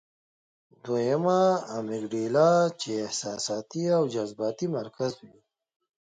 دويمه امېګډېلا چې احساساتي او جذباتي مرکز وي -